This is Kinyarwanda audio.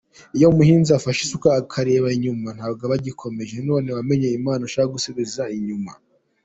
iyo umuhinzi afashe isuka akareba inyuma ntaba agikoze none wamenye Imana ushaka gusubira inyuma .